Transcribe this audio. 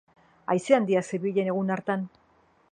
Haize handia zebilen egun hartan.